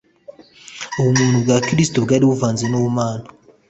Ubumuntu bwa Kristo bwari buvanze n'Ubumana;